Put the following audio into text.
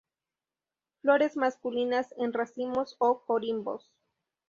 Flores masculinas en racimos o corimbos.